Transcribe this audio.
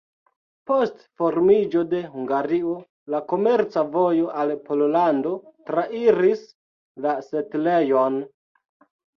Post formiĝo de Hungario la komerca vojo al Pollando trairis la setlejon.